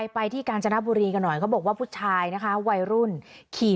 ไปที่กาญจนบุรีกันหน่อยเขาบอกว่าผู้ชายนะคะวัยรุ่นขี่